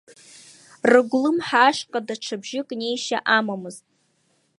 Рыгәлымҳа ашҟа даҽа бжьык неишьа амамызт.